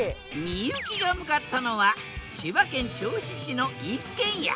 幸が向かったのは千葉県銚子市の一軒家。